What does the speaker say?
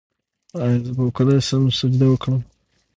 ایا زه به وکولی شم سجده وکړم؟